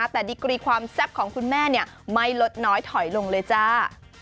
แต่ดิกรีความแซ่บของคุณแม่ไม่ลดน้อยถอยลงเลยจ้า